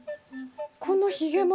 このひげも？